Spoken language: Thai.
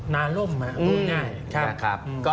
นาร่มนะพูดง่ายนะครับ